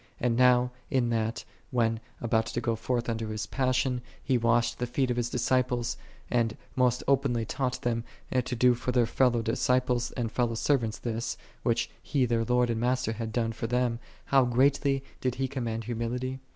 And now, in that, when about to go iortii unto His 1'assion, He washed the feet of His disciples, and most openly taught them to do for their fellow disciples and fellow servants this, which He their Lord and Master had done for them; how greatly did He commend humility?'